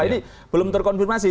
ini belum terkonfirmasi